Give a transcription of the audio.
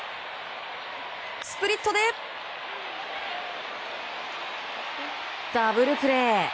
スプリットでダブルプレー！